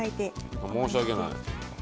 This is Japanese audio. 申し訳ない。